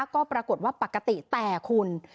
ก็ปรากฏว่าปกติแต่คุณ